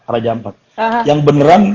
raja ampat yang beneran